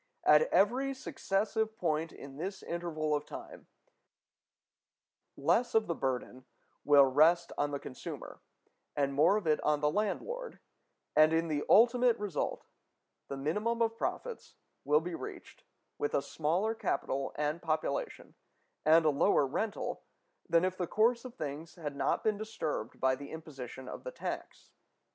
At every successive point in this interval of time, less of the burden will rest on the consumer, and more of it on the landlord; and, in the ultimate result, the minimum of profits will be reached with a smaller capital and population and a lower rental than if the course of things had not been disturbed by the imposition of the tax.